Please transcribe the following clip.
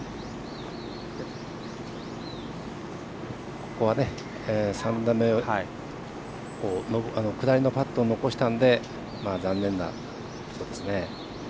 ここは３打目を下りのパットを残したので残念ですね。